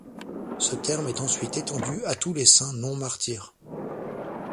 Ce terme est ensuite étendu à tous les saints non martyrs.